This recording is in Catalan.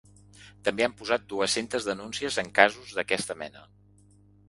També han posat dues-centes denúncies en casos d’aquesta mena.